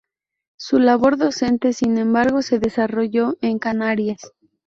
Su labor docente, sin embargo, se desarrolló en Canarias.